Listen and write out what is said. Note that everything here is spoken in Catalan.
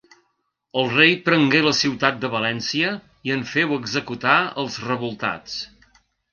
El rei prengué la ciutat de València i en féu executar els revoltats.